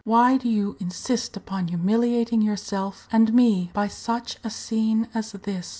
Why do you insist upon humiliating yourself and me by such a scene as this?"